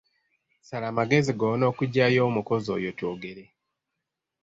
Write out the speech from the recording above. Sala amagezi gonna okuggyawo omukozi oyo twogere.